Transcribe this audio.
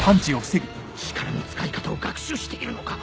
力の使い方を学習しているのか！